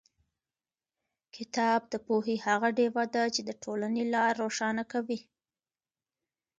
کتاب د پوهې هغه ډېوه ده چې د ټولنې لار روښانه کوي.